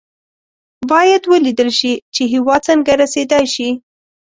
باید ولېدل شي چې هېواد څنګه رسېدای شي.